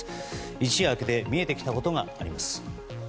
一夜明けて見えてきたことがあります。